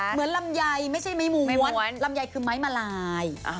ลำไยไม่ใช่ไม้ม้วนลำไยคือไม้มาลาย